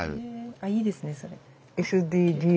あいいですねそれ。